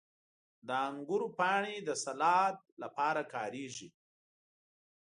• د انګورو پاڼې د سالاد لپاره کارېږي.